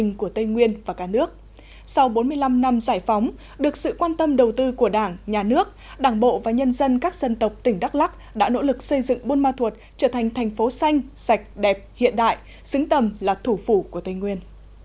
sau bốn mươi năm năm giải phóng được sự quan tâm đầu tư của đảng nhà nước đảng bộ và nhân dân các dân tộc tỉnh đắk lắc đã nỗ lực xây dựng buôn ma thuột trở thành thành phố xanh sạch đẹp hiện đại xứng tầm là thủ phủ của tây nguyên